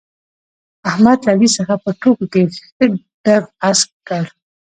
احمد له علي څخه په ټوکو کې ښه دپ اسک کړ.